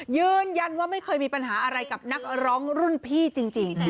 ยืนยันว่าไม่เคยมีปัญหาอะไรกับนักร้องรุ่นพี่จริง